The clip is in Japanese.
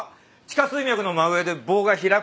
地下水脈の真上で棒が開くとかいう。